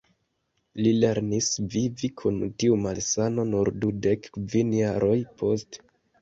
Li lernis vivi kun tiu malsano nur dudek kvin jaroj poste.